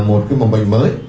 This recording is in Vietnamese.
một cái một bệnh mới